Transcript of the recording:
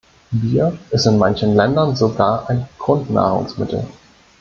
Bier ist in manchen Ländern sogar ein Grundnahrungsmittel.